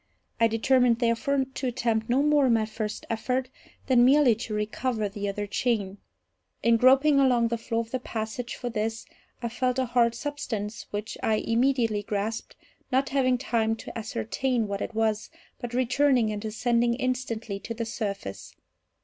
I determined, therefore, to attempt no more, in my first effort, than merely to recover the other chain. In groping along the floor of the passage for this, I felt a hard substance, which I immediately grasped, not having time to ascertain what it was, but returning and ascending instantly to the surface.